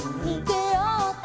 「であった」